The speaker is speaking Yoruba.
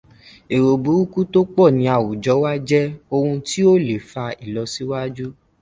Èrò burúkú tó pọ̀ ní àwùjọ wa jẹ́ ohun tí ò le fa ìlọsíwájú.